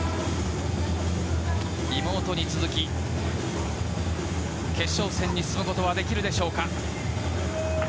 妹に続き、決勝戦に進むことはできるでしょうか。